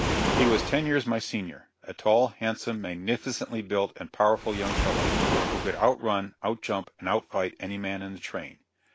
He was ten years my senior a tall, handsome, magnificently built and powerful young fellow, who could out run, out jump and out fight any man in the train.